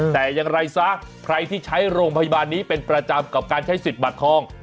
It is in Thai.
แต่อย่างไรซะใครที่ใช้โรงพยาบาลนี้เป็นประจำกับการใช้สิทธิ์บัตรทอง